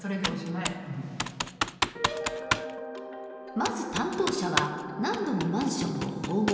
まず担当者は何度もマンションを訪問。